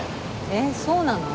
えっそうなの？